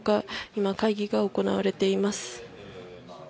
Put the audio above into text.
今、会議が行われています。